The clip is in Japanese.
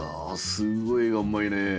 すごいえがうまいねえ。